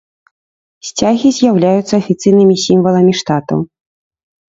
Сцягі з'яўляюцца афіцыйнымі сімваламі штатаў.